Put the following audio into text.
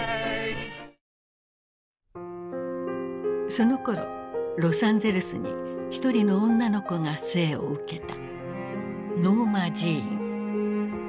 そのころロサンゼルスに一人の女の子が生を受けた。